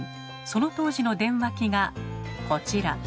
その当時の電話機がこちら。